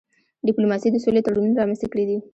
ډيپلوماسی د سولي تړونونه رامنځته کړي دي.